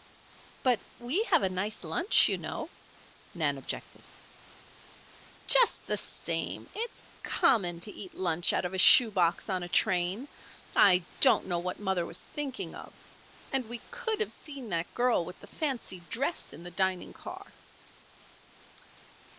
"But we have a nice lunch, you know," Nan objected. "Just the same, it's common to eat lunch out of a shoe box on a train. I don't know what mother was thinking of. And we could have seen that girl with the fancy dress in the dining car."